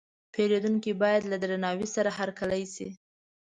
پیرودونکی باید له درناوي سره هرکلی شي.